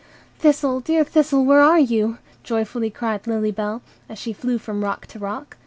"Thistle, dear Thistle, where are you?" joyfully cried Lily Bell, as she flew from rock to rock.